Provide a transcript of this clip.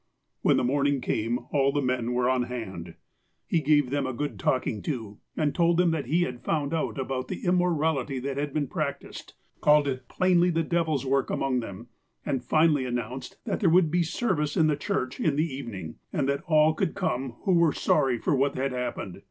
When the morning came, all the men were on hand. NOTABLE VISITORS 247 He gave them a good talking to, and told them that he had found out about the immorality that had been prac ticed — called it plainly the devil's work among them, and finally announced that there would be service in the church in the evening, and that all could come who were sorry for what had haj)pened.